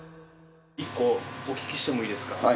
１個お聞きしてもいいですか？